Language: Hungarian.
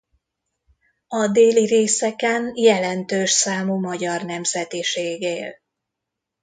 A déli részeken jelentős számú magyar nemzetiség él.